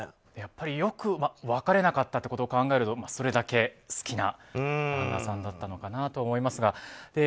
やっぱりよく別れなかったということを考えるとそれだけ好きな旦那さんだったのかなと思いますが。